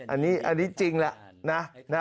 อันนี้จริงแหละนะ